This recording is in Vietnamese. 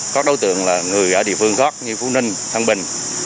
các đối tượng là người ở địa phương gót như phú ninh thân bình